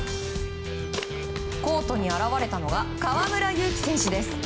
コートに現れたのが河村勇輝選手です。